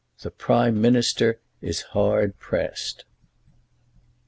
THE PRIME MINISTER IS HARD PRESSED.